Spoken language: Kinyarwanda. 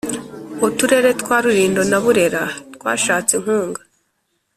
Uturere twa Rulindo na Burera twashatse inkunga